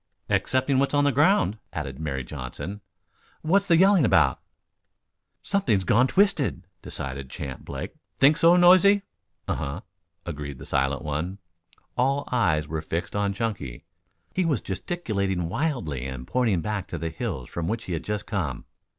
"Excepting what's on the ground," added Mary Johnson. "What's he yelling about?" "Something's gone twisted," decided Champ Blake. "Think so, Noisy?" "Uh hu," agreed the silent one. All eyes were fixed on Chunky. He was gesticulating wildly and pointing back to the hills from which he had just come.